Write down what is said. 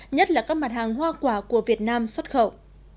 nhất là các mặt hàng hoa quả của việt nam xuất khẩu